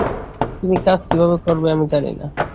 তুমি কাজ কীভাবে করবে আমি জানি না।